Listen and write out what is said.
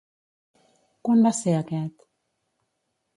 Quan va ser aquest?